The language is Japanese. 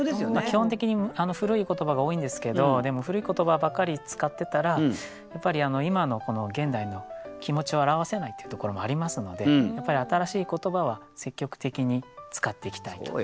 基本的に古い言葉が多いんですけどでも古い言葉ばかり使ってたらやっぱり今のこの現代の気持ちを表せないっていうところもありますのでやっぱり新しい言葉は積極的に使っていきたいと。